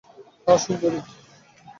হ্যাঁ, সুন্দরী।